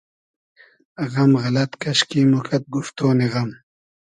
غئم غئلئد کئشکی موکئد گوفتۉنی غئم